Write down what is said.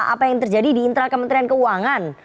apa yang terjadi di intra kementerian keuangan